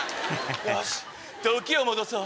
よし時を戻そう。